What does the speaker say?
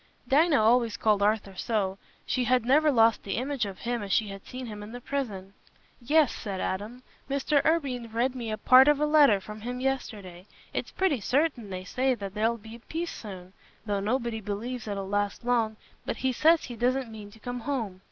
Dinah always called Arthur so; she had never lost the image of him as she had seen him in the prison. "Yes," said Adam. "Mr. Irwine read me part of a letter from him yesterday. It's pretty certain, they say, that there'll be a peace soon, though nobody believes it'll last long; but he says he doesn't mean to come home.